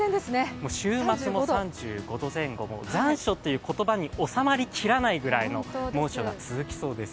週末も３５度前後、残暑という言葉に収まりきらないぐらいの猛暑が続きそうです。